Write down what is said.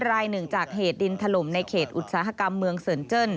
รายหนึ่งจากเดนทรลมในเขตในอุโตรสาธารณ์เมืองเซินเจิ้น